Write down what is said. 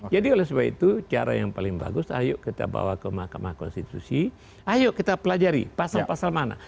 jadi oleh sebab itu cara yang paling bagus ayo kita bawa ke mahkamah konstitusi ayo kita pelajari pasal pasal mana